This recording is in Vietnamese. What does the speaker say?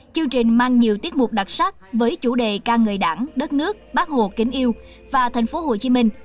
chương trình mang nhiều tiết mục đặc sắc với chủ đề ca người đảng đất nước bác hồ kính yêu và thành phố hồ chí minh